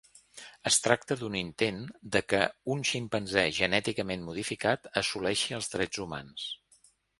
Es tracta d'un intent de que un ximpanzé genèticament modificat assoleixi els drets humans.